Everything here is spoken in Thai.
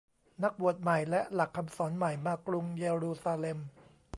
นักบวชใหม่และหลักคำสอนใหม่มากรุงเยรูซาเล็ม